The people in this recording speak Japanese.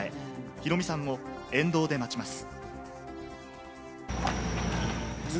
ヒロミさんを沿道で待ちます。